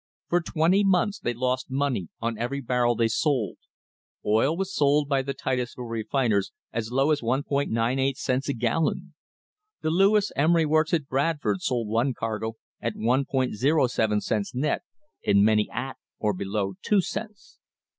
For twenty months they lost money on every barrel they sold. Oil was sold by the Titus ville refiners as low as 1.98 cents a gallon. The Lewis Emery works at Bradford sold one cargo at 1.07 cents net, and many at or below two cents.